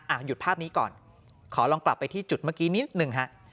หยุดภาพนี้ก่อนขอลองกลับไปที่จุดเมื่อกี้นิดหนึ่งฮะ